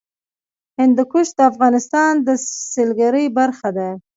هندوکش د افغانستان د سیلګرۍ برخه ده.